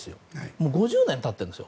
もう５０年経っているんですよ。